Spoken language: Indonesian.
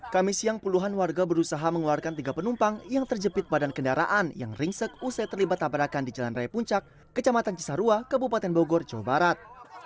kami siang puluhan warga berusaha mengeluarkan tiga penumpang yang terjepit badan kendaraan yang ringsek usai terlibat tabrakan di jalan raya puncak kecamatan cisarua kabupaten bogor jawa barat